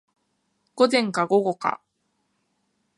午前か午後か